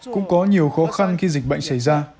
cũng có nhiều khó khăn khi dịch bệnh xảy ra